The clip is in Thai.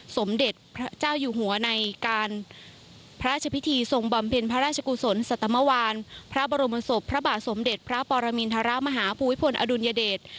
สมเด็จพระเจ้าอยู่หัวในการพระราชพิธีทรงบำเพ็ญพระราชกุศลสัตมวานพระบรมศพพระบาทสมเด็จพระปรมินทรมาฮาภูมิพลอดุลยเดช